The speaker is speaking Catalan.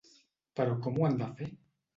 Però com ho han de fer?